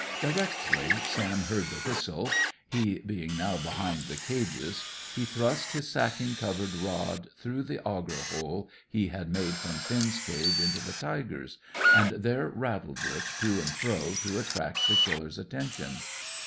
Directly Sam heard the whistle, he being now behind the cages, he thrust his sacking covered rod through the auger hole he had made from Finn's cage into the tiger's, and there rattled it to and fro to attract the Killer's attention.